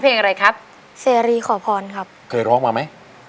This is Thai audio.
ขอปฏิบัติครับไปร้องมาไหม